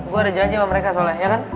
gue ada janji sama mereka soalnya ya kan